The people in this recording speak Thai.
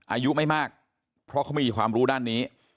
อายุไม่มากเพราะเขาไม่มีความรู้ด้านนี้